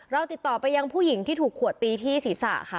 เราติดต่อไปยังผู้หญิงที่ถูกขวดตีที่ศีรษะค่ะ